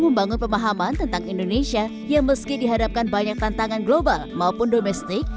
membangun pemahaman tentang indonesia yang meski dihadapkan banyak tantangan global maupun domestik